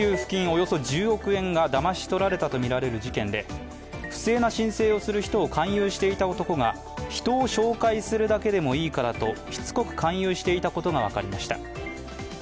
およそ１０億円がだまし取られたとみられる事件で、不正な申請をする人を勧誘していた男が人を紹介するだけでもいいからとしつこく勧誘していたことが分かりました。